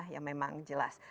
ya memang jelas